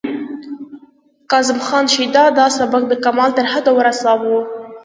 کاظم خان شیدا دا سبک د کمال تر حده ورساوه